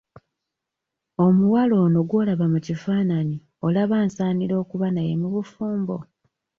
Omuwala ono gw'olaba mu kifaananyi olaba ansaanira okuba naye mu bufumbo?